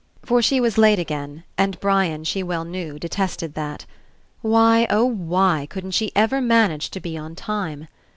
For she was late again, and Brian, she well knew, detested that. Why, oh why, couldn't she ever manage to be on time?